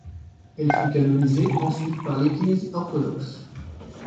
Elle fut canonisée ensuite par l'Église orthodoxe.